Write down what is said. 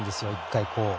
１回。